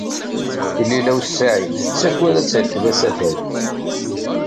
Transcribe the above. Lila u Saɛid tettagad ad terkeb asafag.